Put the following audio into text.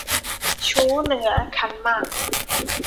ชู้เหนือขันหมาก